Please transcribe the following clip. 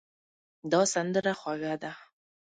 دا سندره خوږه ده.